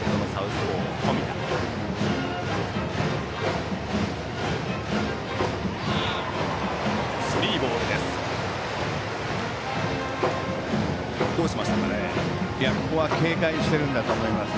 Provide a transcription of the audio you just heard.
スリーボールです。